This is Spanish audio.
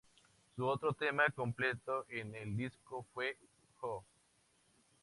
Su otro tema completo en el disco fue "Oh!